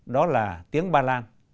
đó là tiếng ba lan